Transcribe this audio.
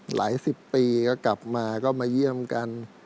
หลายสิบปีก็กลับมาก็มาเยี่ยมกัน